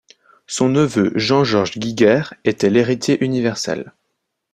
Son neveu Jean-George Guiguer était l’héritier universel.